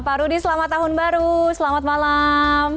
parudi selamat tahun baru selamat malam